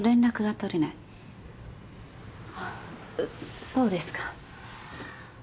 あっそうですか。